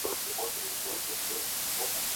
জাভেদ, সে শুধুমাত্র একটা মেয়ে।